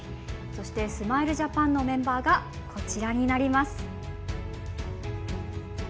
そしてスマイルジャパンのメンバーがこちらになります。